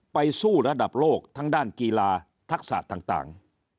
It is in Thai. ไปสู้ระดับโลกทั้งด้านกีฬาทักษะต่าง